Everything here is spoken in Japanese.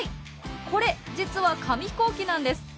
これ実は紙ヒコーキなんです。